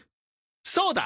そうだ！